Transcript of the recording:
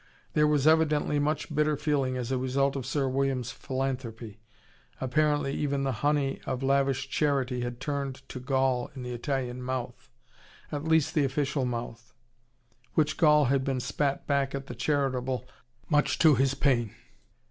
There was evidently much bitter feeling as a result of Sir William's philanthropy. Apparently even the honey of lavish charity had turned to gall in the Italian mouth: at least the official mouth. Which gall had been spat back at the charitable, much to his pain.